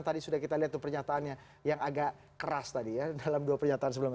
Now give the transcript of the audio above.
tadi sudah kita lihat tuh pernyataannya yang agak keras tadi ya dalam dua pernyataan sebelumnya